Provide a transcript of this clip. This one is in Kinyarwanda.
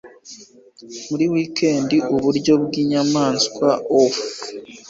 muri wikendi uburyo bw'inyamaswa off